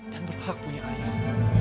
dan berhak punya ayah